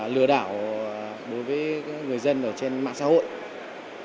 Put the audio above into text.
lừa đảo đối với người dân ở trên mạng xã hội